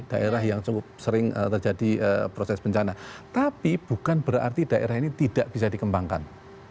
daerah yang cukup sering terjadi proses bencana tapi bukan berarti daerah ini tidak bisa dikembangkan